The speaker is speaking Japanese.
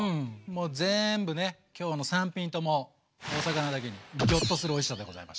全部ねきょうの３品ともお魚だけにギョッとするおいしさでございました。